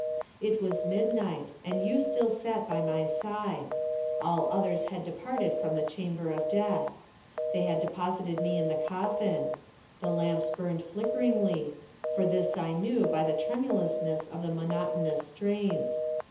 It was midnight; and you still sat by my side. All others had departed from the chamber of Death. They had deposited me in the coffin. The lamps burned flickeringly; for this I knew by the tremulousness of the monotonous strains.